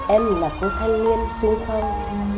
em là cô thanh niên xuân phong